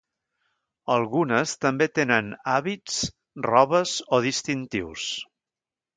Algunes també tenen hàbits, robes o distintius.